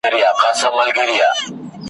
هغه ورځ هم لیري نه ده چي به کیږي حسابونه `